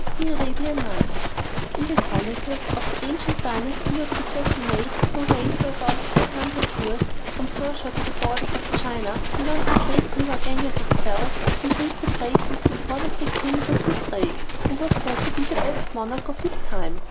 The Arabian Nights In the chronicles of the ancient dynasty of the Sassanidae, who reigned for about four hundred years, from Persia to the borders of China, beyond the great river Ganges itself, we read the praises of one of the kings of this race, who was said to be the best monarch of his time.